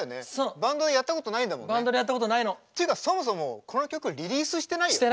バンドでやったことないんだもんね。というかそもそもこの曲リリースしてないよね。